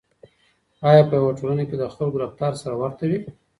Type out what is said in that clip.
آیا په یوه ټولنه کې د خلکو رفتار سره ورته وي؟